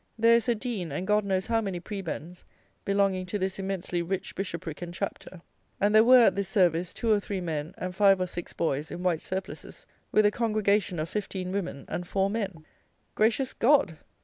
There is a dean, and God knows how many prebends belonging to this immensely rich bishopric and chapter; and there were, at this "service," two or three men and five or six boys in white surplices, with a congregation of fifteen women and four men! Gracious God!